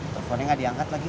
teleponnya gak diangkat lagi